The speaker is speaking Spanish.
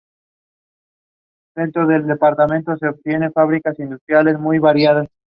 Es nativa de Sri Lanka.